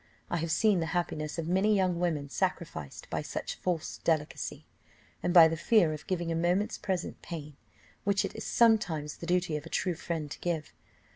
I have seen the happiness of many young women sacrificed by such false delicacy, and by the fear of giving a moment's present pain, which it is sometimes the duty of a true friend to give."